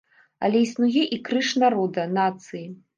Але існуе і крыж народа, нацыі.